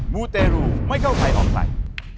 มูเตรูไม่เข้าใจออกไหล